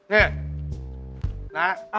นี่นะ